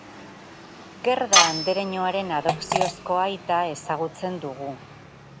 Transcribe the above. Gerda andereñoaren adopziozko aita ezagutzen dugu.